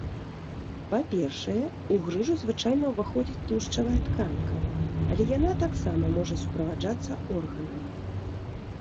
Па-першае, у грыжу звычайна ўваходзіць тлушчавая тканка, але яна таксама можа суправаджацца органам.